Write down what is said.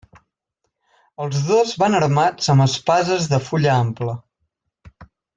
Els dos van armats amb espases de fulla ampla.